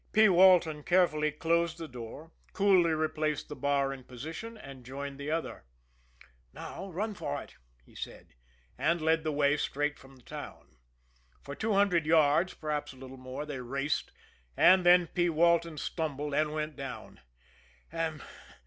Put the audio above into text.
P. Walton carefully closed the door, coolly replaced the bar in position, and joined the other. "Now, run for it!" he said and led the way straight out from the town. For two hundred yards, perhaps a little more, they raced and then P. Walton stumbled and went down.